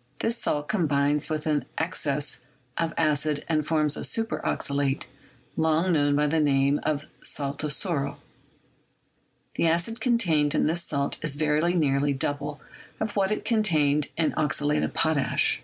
... This salt combines with an excess of acid and forms a super oxalate, long known by the name of salt of sorrel. The acid contained in this salt is very nearly double of what is contained in oxalate of potash.